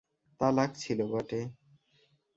তা লাগছিল বটে।